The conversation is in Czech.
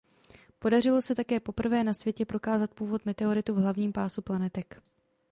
Podařilo se také poprvé na světě prokázat původ meteoritu v hlavním pásu planetek.